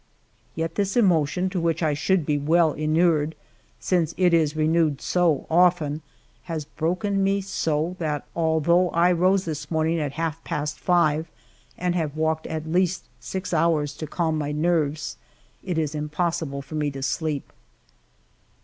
Yet this emotion to which I should be well inured, since it is renewed so often, has broken me so, that although I rose this morning at half past five and have walked at least six hours to calm my nerves, it is impossible for me to sleep.